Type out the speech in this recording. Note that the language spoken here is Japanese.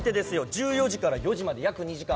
１４時から４時まで約２時間何をするのか？